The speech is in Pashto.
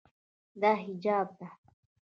دا حجاب ده.